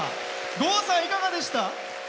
郷さん、いかがでした？